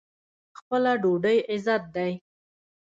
خپله ډوډۍ عزت دی.